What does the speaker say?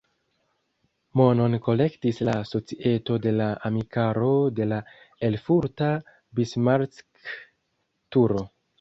Monon kolektis la Societo de la amikaro de la erfurta Bismarck-turo.